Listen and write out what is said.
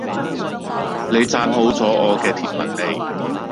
你讚好咗我嘅貼文未？